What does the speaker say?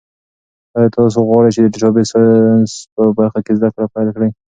ایا تاسو غواړئ چې د ډیټا ساینس په برخه کې زده کړې پیل کړئ؟